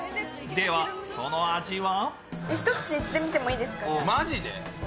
では、その味は？